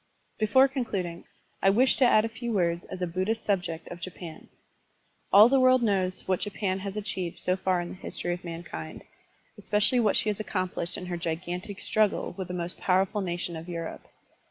3|e ♦♦ Before concluding, I wish to add a few words as a Buddhist subject of Japan. All the world knows what Japan has achieved so far in the history of mankind, especially what she has accomplished in her gigantic struggle with a most powerful nation of Europe.